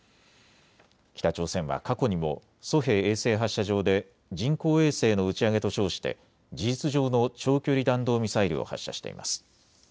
北朝鮮は過去にもソヘ衛星発射場で人工衛星の打ち上げと称して事実上の長距離弾道ミサイルを発射しています。